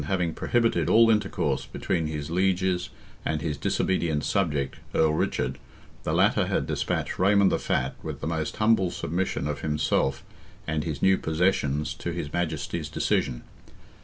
having prohibited all intercourse between his lieges and his disobedient subject, Earl Richard, the latter had despatched Raymond the Fat, with the most humble submission of himself and his new possessions to his Majesty's decision.